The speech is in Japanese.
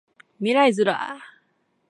未来ズラ